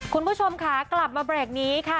คุณผู้ชมค่ะกลับมาเบรกนี้ค่ะ